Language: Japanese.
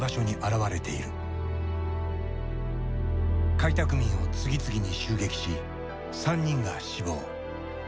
開拓民を次々に襲撃し３人が死亡。